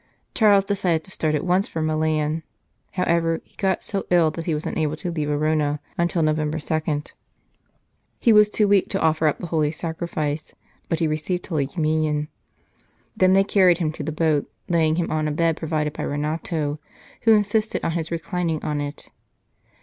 Charles decided to start at once for Milan ; however, he got so ill that he was unable to leave Arona until Novem ber 2. He was too weak to offer up the Holy Sacrifice, but he received Holy Communion. Then they carried him to the boat, laying him on a bed provided by Renato, who insisted on his reclining on it.